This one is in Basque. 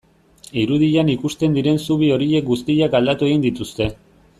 Irudian ikusten diren zubi horiek guztiak aldatu egin dituzte.